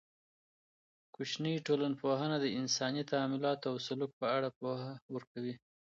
کوچنۍ ټولنپوهنه د انساني تعاملاتو او سلوک په اړه پوهه ورکوي.